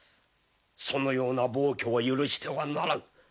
そのような暴挙を許してはならぬ。